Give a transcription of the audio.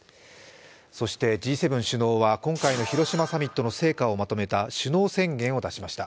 そして、Ｇ７首脳は今回の広島サミットの成果をまとめた首脳宣言を出しました。